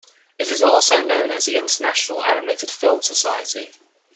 It is also known as the International Animated Film Society.